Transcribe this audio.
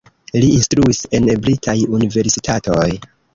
Li instruis en britaj universitatoj.